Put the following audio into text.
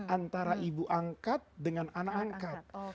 antara ibu angkat dengan anak angkat